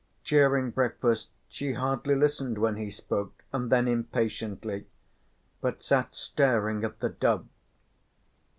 During breakfast she hardly listened when he spoke, and then impatiently, but sat staring at the dove.